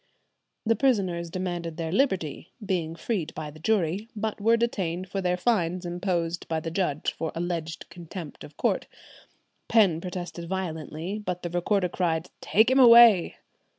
"[127:1] The prisoners demanded their liberty, "being freed by the jury," but were detained for their fines imposed by the judge for alleged contempt of court. Penn protested violently, but the recorder cried, "Take him away!"